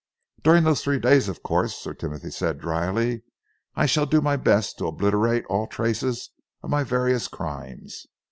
"During those three days, of course," Sir Timothy said drily, "I shall do my best to obliterate all traces of my various crimes.